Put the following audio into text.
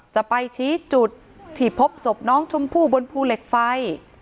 จะไปชี้จุดที่พบศพน้องชมพู่บนภูเหล็กไฟ